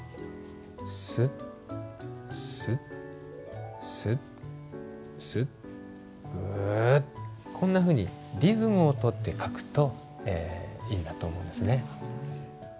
スッスッスッスッグッこんなふうにリズムをとって書くといいなと思うんですね。